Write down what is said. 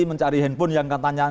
mencari handphone yang katanya